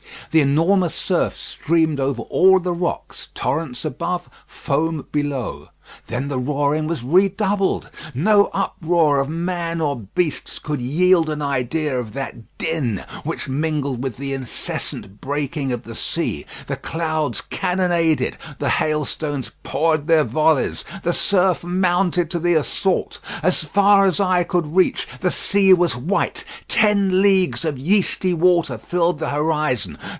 The enormous surf streamed over all the rocks; torrents above; foam below. Then the roaring was redoubled. No uproar of men or beasts could yield an idea of that din which mingled with the incessant breaking of the sea. The clouds cannonaded, the hailstones poured their volleys, the surf mounted to the assault. As far as eye could reach, the sea was white; ten leagues of yeasty water filled the horizon.